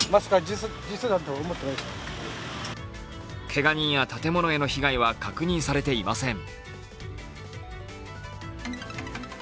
けが人や建物への被害は確認されていません。